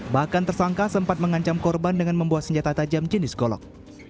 bahkan tersangka sempat mengancam korban dengan membawa senjata tajam jenis golok